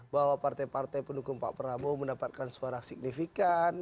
bahwa partai partai pendukung pak prabowo mendapatkan suara signifikan